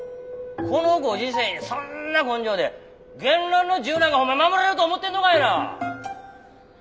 このご時世にそんな根性で言論の自由なんかほんまに守れると思ってんのかいな！